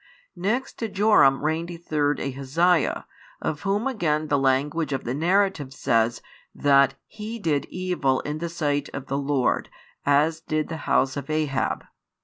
Next to Joram reigned a third Ahaziah, of whom again the language of the narrative says that he did evil in the sight of the Lord, as did the house of Ahab.